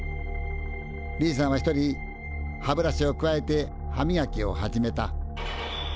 Ｂさんは一人歯ブラシをくわえて歯みがきを始めた。